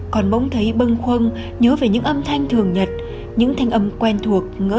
còn bỗng thấy bưng khuâng nhớ về những âm thanh thường nhật những thanh âm quen thuộc ngỡ